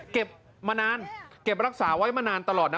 มานานเก็บรักษาไว้มานานตลอดนะ